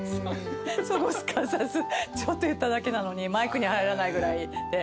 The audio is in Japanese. すかさずちょっと言っただけなのにマイクに入らないぐらいで。